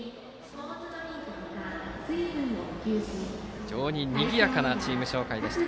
非常ににぎやかなチーム紹介でした。